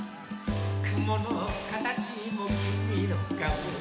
「くものかたちもきみのかお」